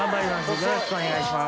よろしくお願いします。